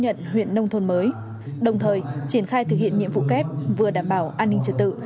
nhận huyện nông thôn mới đồng thời triển khai thực hiện nhiệm vụ kép vừa đảm bảo an ninh trật tự